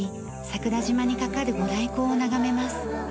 桜島にかかるご来光を眺めます。